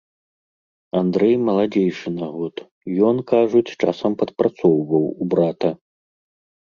Андрэй маладзейшы на год, ён, кажуць, часам падпрацоўваў у брата.